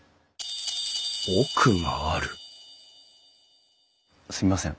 奥があるすみません。